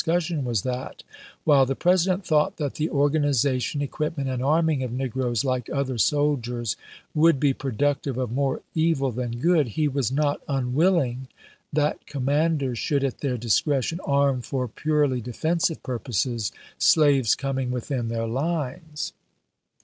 cussion was that, while the President thought that the organization, equipment, and arming of negroes like other soldiers would be productive of more evil than good, he was not unwilling that command ers should, at their discretion, arm, for purely de fensive purposes, slaves coming within their lines."